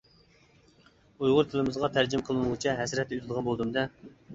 ئۇيغۇر تىلىمىزغا تەرجىمە قىلىنغۇچە ھەسرەتتە ئۆتىدىغان بولدۇم-دە.